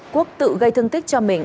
quốc tự gây thương tích cho mình